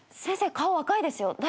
先生顔赤いですよ。